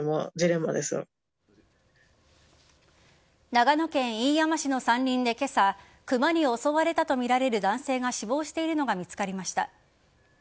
長野県飯山市の山林で今朝クマに襲われたとみられる男性が死亡しているのが見つかりました。